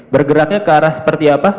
bergeraknya ke arah seperti apa